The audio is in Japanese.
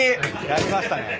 やりましたね。